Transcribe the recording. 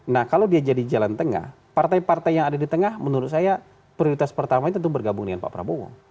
nah kalau dia jadi jalan tengah partai partai yang ada di tengah menurut saya prioritas pertama itu bergabung dengan pak prabowo